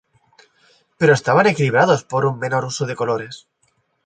Pero estaban equilibrados por un menor uso de colores.